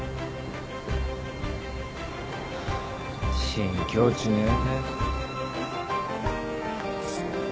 新境地ねぇ。